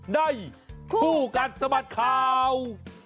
ในคู่กันสมัติข่าว